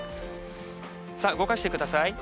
さあ、動かしてください。